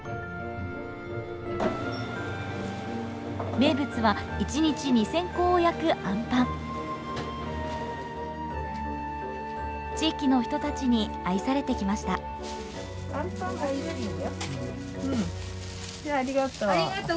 名物は１日２，０００個を焼くあんぱん地域の人たちに愛されてきましたじゃあありがとう。